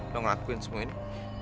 lo ngelakuin semua ini